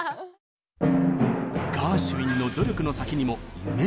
ガーシュウィンの努力の先にも「夢」があったんです。